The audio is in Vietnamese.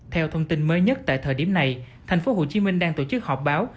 theo thông tin mới nhất tại thời điểm này thành phố hồ chí minh đang tổ chức họp báo